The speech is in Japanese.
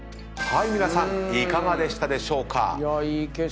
皆さんいかがでしたでしょうか？